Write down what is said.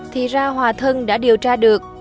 thì ra hòa thân đã điều tra được